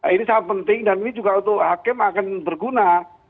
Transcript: ini sangat penting dan ini juga untuk hakim akan berguna